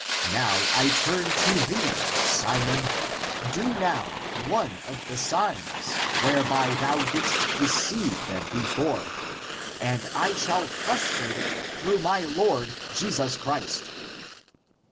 Now (I turn) to thee, Simon: do now one (of the signs) whereby thou didst deceive them before, and I shall frustrate it through my Lord Jesus Christ."